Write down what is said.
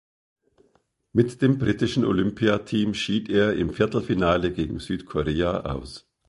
Mit dem britischen Olympiateam schied er im Viertelfinale gegen Südkorea aus.